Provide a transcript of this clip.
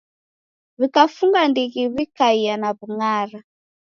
W'ikafunga ndighi w'ikaie na w'ungara.